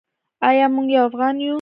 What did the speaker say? ایا موږ یو افغان یو؟